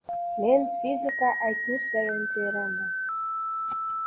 Men Fizika aytmishdayin teraman.